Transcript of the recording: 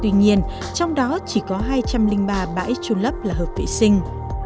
tuy nhiên trong đó chỉ có hai trăm linh ba bãi trôn lấp là hợp vệ sinh